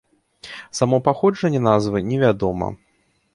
Само паходжанне назвы не вядома.